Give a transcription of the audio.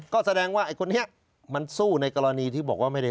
ก็แสดงว่าไอ้คนนี้มันสู้ในกรณีที่บอกว่าไม่ได้